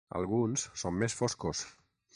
Alguns són més foscos.